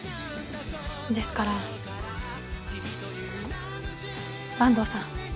ですから坂東さん